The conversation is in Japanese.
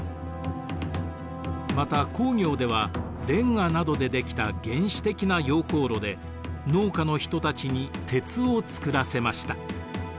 また工業ではレンガなどで出来た原始的な溶鉱炉で農家の人たちに鉄を作らせました。